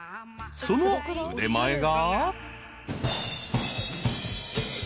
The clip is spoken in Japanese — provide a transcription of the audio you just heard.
［その腕前が］